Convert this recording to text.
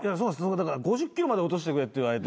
だから５０ｋｇまで落としてくれって言われて。